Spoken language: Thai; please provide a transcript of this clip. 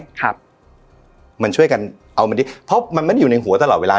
ครับมันช่วยกันเอามันดีเพราะมันไม่ได้อยู่ในหัวตลอดเวลา